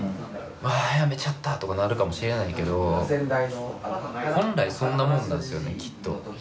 「ああ辞めちゃった」とかなるかもしれないけど本来そんなもんなんですよねきっと。